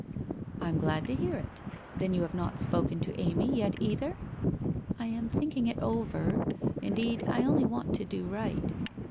' I am glad to hear it. Then you have not spoken to Amy yet cither? '' I am thinking it over. Indeed, I only want to do right.'